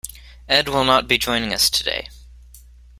Ed will not be joining us today.